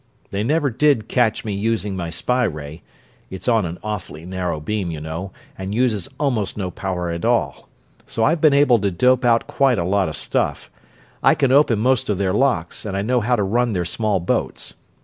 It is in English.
They never did catch me using my spy ray it's on an awfully narrow beam, you know, and uses almost no power at all so I've been able to dope out quite a lot of stuff. I can open most of their locks, and I know how to run their small boats.